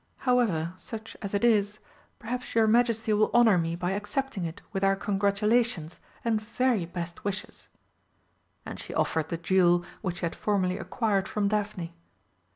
However, such as it is, perhaps your Majesty will honour me by accepting it with our congratulations and very best wishes?" And she offered the jewel which she had formerly acquired from Daphne.